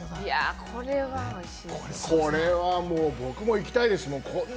これは僕も行きたいですもん。